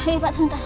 ayo pak sebentar